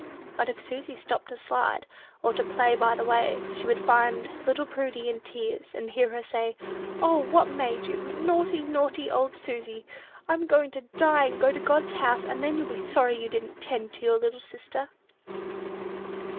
But if Susy stopped to slide, or to play by the way, she would find little Prudy in tears, and hear her say, "O, what made you? Naughty, naughty old Susy! I'm goin' to die, and go to God's house, and then you'll be sorry you didn't 'tend to your little sister."